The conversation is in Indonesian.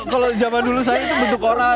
kalau zaman dulu saya itu bentuk orang